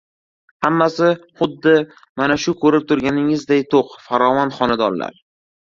Hammasi xuddi mana shu ko‘rib turganingizday to‘q, farovon xonadonlar!